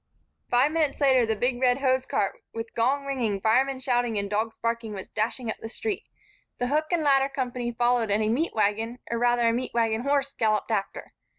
Five minutes later, the big red hosecart, with gong ringing, firemen shouting and dogs barking, was dashing up the street. The hook and ladder company followed and a meat wagon, or rather a meat wagon horse, galloped after.